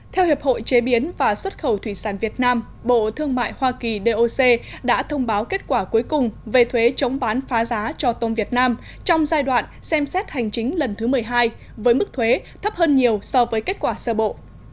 theo hiệp hội chế biến và xuất khẩu thủy sản việt nam bộ thương mại hoa kỳ doc đã thông báo kết quả cuối cùng về thuế chống bán phá giá cho tôm việt nam trong giai đoạn xem xét hành chính lần thứ một mươi hai với mức thuế thấp hơn nhiều so với kết quả sơ bộ